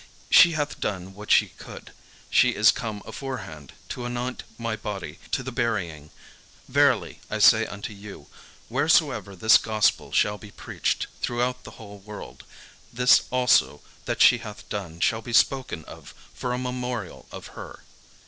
She hath done what she could: she is come aforehand to anoint my body to the burying. Verily I say unto you, wheresoever this gospel shall be preached throughout the whole world, this also that she hath done shall be spoken of for a memorial of her."